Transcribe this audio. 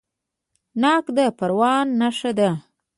ناک د پروان نښه ده.